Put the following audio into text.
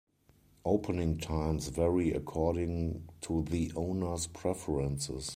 Opening times vary according to the owners' preferences.